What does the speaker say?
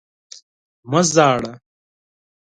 مه ژاړه!